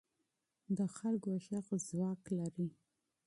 د خلکو غږ ځواک لري